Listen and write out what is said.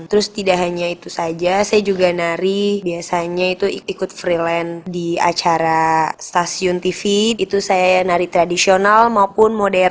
terus tidak hanya itu saja saya juga nari biasanya itu ikut freelance di acara stasiun tv itu saya nari tradisional maupun modern